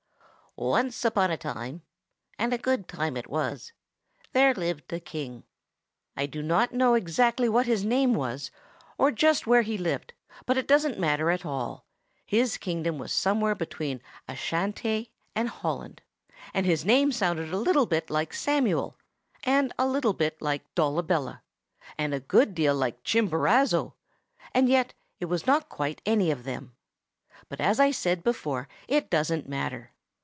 Once upon a time—and a good time it was—there lived a king. I do not know exactly what his name was, or just where he lived; but it doesn't matter at all: his kingdom was somewhere between Ashantee and Holland, and his name sounded a little like Samuel, and a little like Dolabella, and a good deal like Chimborazo, and yet it was not quite any of them. But, as I said before, it doesn't matter.